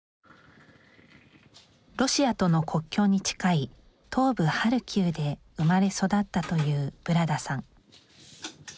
ロシアとの国境に近い東部ハルキウで生まれ育ったというブラダさん